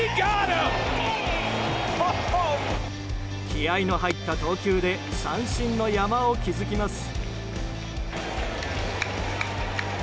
気合の入った投球で三振の山を築きます。